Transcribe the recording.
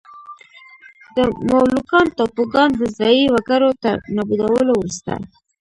د مولوکان ټاپوګان د ځايي وګړو تر نابودولو وروسته.